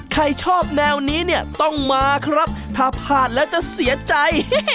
ใครชอบแนวนี้เนี่ยต้องมาครับถ้าผ่านแล้วจะเสียใจ